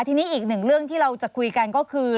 ทีนี้อีกหนึ่งเรื่องที่เราจะคุยกันก็คือ